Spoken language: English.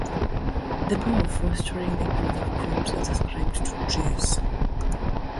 The power of fostering the growth of crops is ascribed to trees.